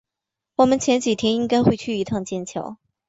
我们前几天应该会去一趟剑桥